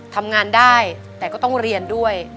ทำงานได้แต่ก็ต้องเรียนด้วย